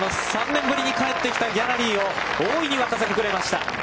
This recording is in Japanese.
３年ぶりに帰ってきたギャラリーを大いに沸かせてくれました。